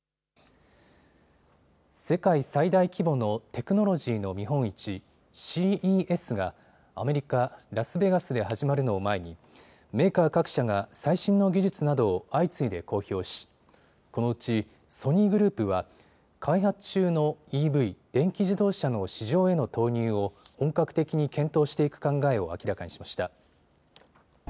世界最大規模のテクノロジーの見本市、ＣＥＳがアメリカ・ラスベガスで始まるのを前にメーカー各社が最新の技術などを相次いで公表しこのうちソニーグループは開発中のＥＶ・電気自動車の市場への投入を本格的に検討していく考えを明らかにしました。